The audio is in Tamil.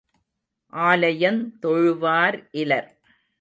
ஆலயந் தொழுவார் இலர்.